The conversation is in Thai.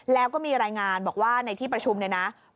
แล้วก็มีรายงานว่าในที่ประชุมนะครับ